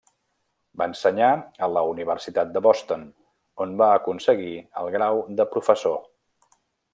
Va ensenyar a la Universitat de Boston, on va aconseguir el grau de professor.